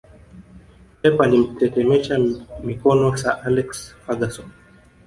Pep alimtetemesha mikono Sir Alex Ferguson